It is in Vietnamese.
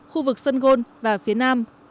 khu vực sơn gôn và phía nam